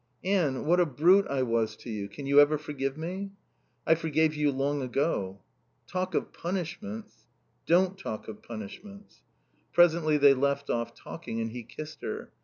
"Anne, what a brute I was to you. Can you ever forgive me?" "I forgave you long ago." "Talk of punishments " "Don't talk of punishments." Presently they left off talking, and he kissed her.